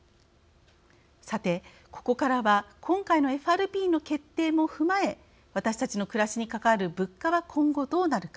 さて、ここからは今回のＦＲＢの決定も踏まえ私たちの暮らしに関わる物価は今後どうなるか。